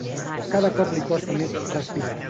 Cada cop li costa més respirar.